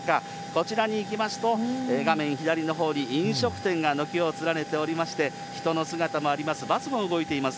こちらに行きますと、画面左のほうに飲食店が軒を連ねておりまして、人の姿もあります、バスも動いています。